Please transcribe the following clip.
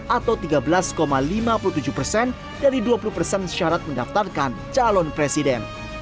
atau tiga belas lima puluh tujuh persen dari dua puluh persen syarat mendaftarkan calon presiden